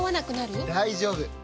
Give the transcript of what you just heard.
大丈夫！